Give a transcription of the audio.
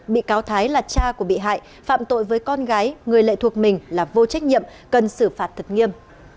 bị cáo thái là cha của bị hại phạm tội với con gái người lệ thuộc mình là vô trách nhiệm cần xử phạt thật nghiêm